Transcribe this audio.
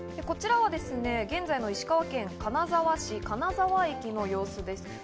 こちらは現在の石川県金沢市、金沢駅の様子です。